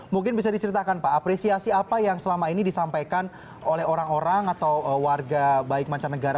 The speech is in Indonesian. mungkin bisa diceritakan pak apresiasi apa yang selama ini disampaikan oleh orang orang atau warga baik mancanegara